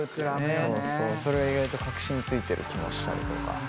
そうそうそれが意外と核心ついてる気もしたりとか。